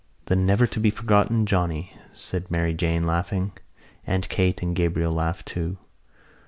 "The never to be forgotten Johnny," said Mary Jane, laughing. Aunt Kate and Gabriel laughed too.